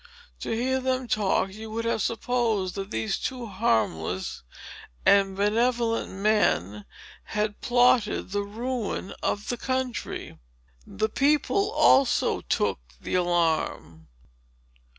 To hear them talk, you would have supposed that these two harmless and benevolent men had plotted the ruin of the country. The people, also, took the alarm.